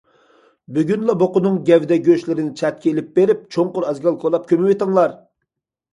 بۈگۈنلا بۇقىنىڭ گەۋدە- گۆشلىرىنى چەتكە ئېلىپ بېرىپ چوڭقۇر ئازگال كولاپ كۆمۈۋېتىڭلار!